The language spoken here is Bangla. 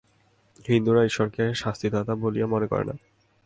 হিন্দুরা ঈশ্বরকে শাস্তিদাতা বলিয়া মনে করে না।